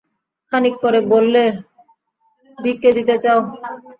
খানিক পরে বললে, ভিক্ষে দিতে চাও!